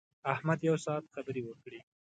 احمد یو ساعت خبرې وکړې.